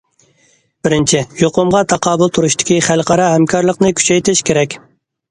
بىرىنچى، يۇقۇمغا تاقابىل تۇرۇشتىكى خەلقئارا ھەمكارلىقنى كۈچەيتىش كېرەك.